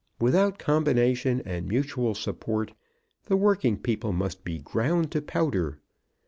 Without combination and mutual support the working people must be ground to powder.